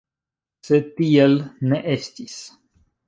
Sed tiel ne estis.